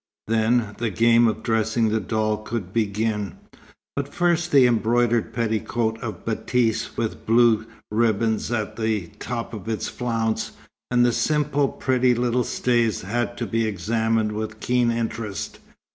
Then, the game of dressing the doll could begin, but first the embroidered petticoat of batiste with blue ribbons at the top of its flounce, and the simple pretty little stays had to be examined with keen interest.